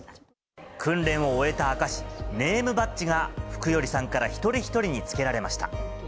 訓練を終えた証し、ネームバッジが福頼さんから一人一人につけられました。